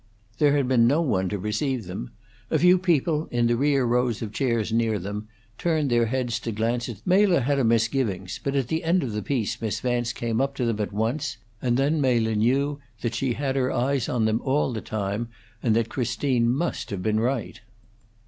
There had been no one to receive them; a few people, in the rear rows of chairs near them, turned their heads to glance at them, and then looked away again. Mela had her misgivings; but at the end of the piece Miss Vance came up to them at once, and then Mela knew that she had her eyes on them all the time, and that Christine must have been right.